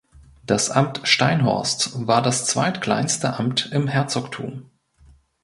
Das Amt Steinhorst war das zweitkleinste Amt im Herzogtum.